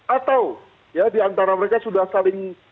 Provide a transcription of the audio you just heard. atau ya diantara mereka sudah saling